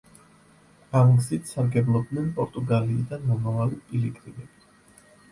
ამ გზით სარგებლობდნენ პორტუგალიიდან მომავალი პილიგრიმები.